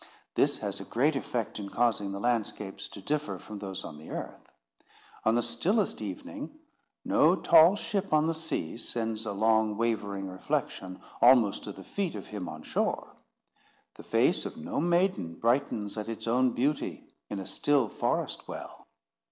This has a great effect in causing the landscapes to differ from those on the earth. On the stillest evening, no tall ship on the sea sends a long wavering reflection almost to the feet of him on shore; the face of no maiden brightens at its own beauty in a still forest well.